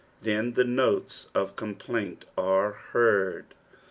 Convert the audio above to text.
Jhen the notes of complainl ore heard 'J